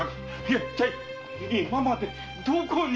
一体今までどこに！？